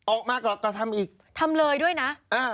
ออกมากระทำอีกทำเลยด้วยนะ